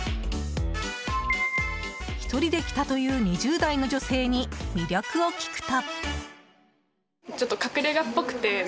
１人で来たという２０代の女性に魅力を聞くと。